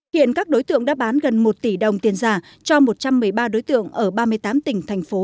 hiện các đối tượng đã bán gần một tỷ đồng tiền giả cho một trăm một mươi ba đối tượng ở ba mươi tám tỉnh thành phố